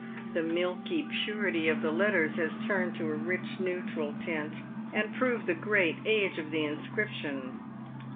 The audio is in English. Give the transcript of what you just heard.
The milky purity of the letters has turned to a rich neutral tint, and prove the great age of the inscription.